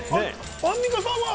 アンミカさんは？